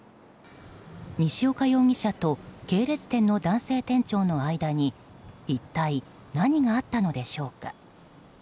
西岡容疑者と系列店の男性店長の間に一体、何があったのでしょうか。